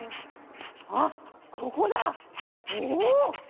あっ、ここだ、おー。